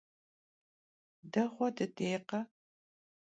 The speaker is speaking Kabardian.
Değue dıdekhe?